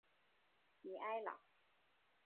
米埃朗。